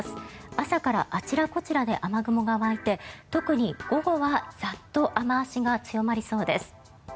朝からあちらこちらで雨雲が湧いて特に午後はザッと雨脚が強まりそうです。